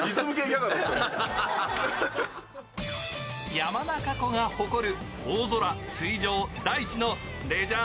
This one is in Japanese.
山中湖が誇る大空・水上・大地のレジャー